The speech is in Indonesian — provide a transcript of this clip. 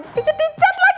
terus kiki dicat lagi